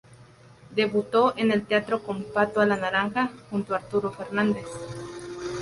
Debutó en el teatro con "Pato a la naranja" junto a Arturo Fernández.